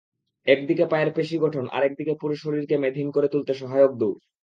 একদিকে পায়ের পেশি গঠন, আরেকদিকে পুরো শরীরকে মেদহীন করে তুলতে সহায়ক দৌড়।